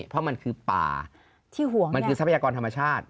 เพราะมันคือป่าที่ห่วงมันคือทรัพยากรธรรมชาติ